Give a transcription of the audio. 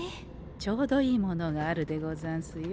ちょうどいいものがあるでござんすよ。